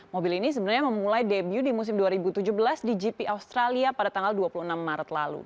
mobil ini sebenarnya memulai debu di musim dua ribu tujuh belas di gp australia pada tanggal dua puluh enam maret lalu